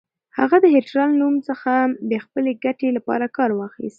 هغه د هېټلر له نوم څخه د خپلې ګټې لپاره کار واخيست.